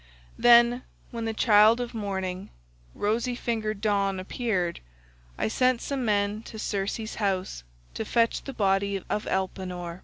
"Then, when the child of morning, rosy fingered Dawn, appeared, I sent some men to Circe's house to fetch the body of Elpenor.